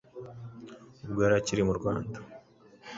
ubwo yari akiri mu Rwanda.